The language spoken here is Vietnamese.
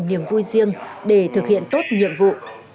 niềm vui riêng để thực hiện tốt nhiệm vụ